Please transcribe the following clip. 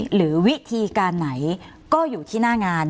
หรือวิธีการไหนก็อยู่ที่หน้างาน